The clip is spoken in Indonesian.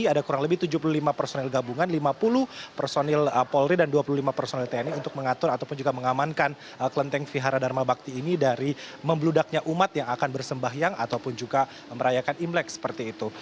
ada kurang lebih tujuh puluh lima personil gabungan lima puluh personil polri dan dua puluh lima personil tni untuk mengatur ataupun juga mengamankan kelenteng vihara dharma bakti ini dari membludaknya umat yang akan bersembahyang ataupun juga merayakan imlek seperti itu